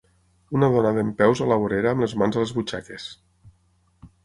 Una dona dempeus a la vorera amb les mans a les butxaques.